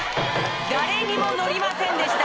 誰にものりませんでした。